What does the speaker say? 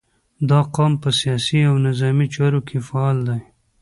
• دا قوم په سیاسي او نظامي چارو کې فعال دی.